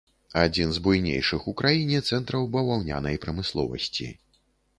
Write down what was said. Адзін з буйнейшых у краіне цэнтраў баваўнянай прамысловасці.